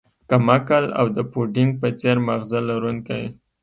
کم عقل او د پوډینګ په څیر ماغزه لرونکی